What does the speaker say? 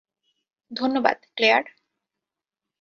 ধন্যবাদ, ক্লেয়ার।